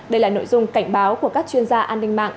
đây là nội dung cảnh báo của các chuyên gia an ninh mạng